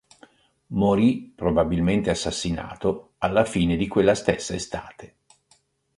Morì probabilmente assassinato alla fine di quella stessa estate.